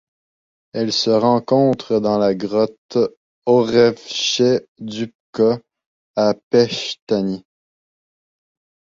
Elle se rencontre dans la grotte Orevče Dupka à Pechtani.